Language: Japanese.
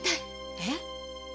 えっ⁉